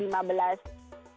lalu kita buka puasa